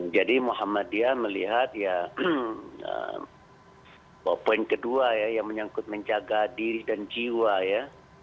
muhammadiyah melihat ya poin kedua ya yang menyangkut menjaga diri dan jiwa ya